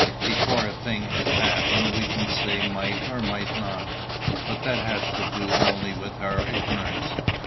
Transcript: Before a thing has happened we can say might or might not; but that has to do only with our ignorance.